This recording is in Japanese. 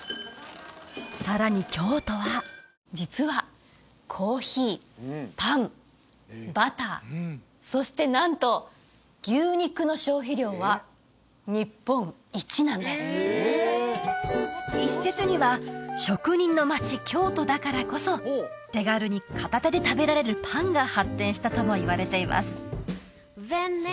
さらに京都は実はコーヒーパンバターそしてなんと牛肉の消費量は日本一なんです一説には職人の町京都だからこそ手軽に片手で食べられるパンが発展したともいわれています